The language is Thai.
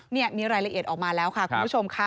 นี่มีรายละเอียดออกมาแล้วค่ะคุณผู้ชมค่ะ